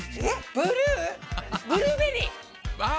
ブルーベリー！